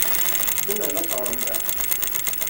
Tzemrem ad teɣṛem da.